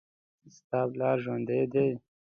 ستا پلار ژوندي دي